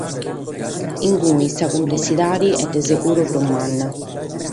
In cue sa cumplessidade est de seguru prus manna.